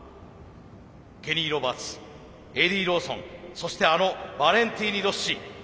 ケニー・ロバーツエディ・ローソンそしてあのバレンティーノ・ロッシ。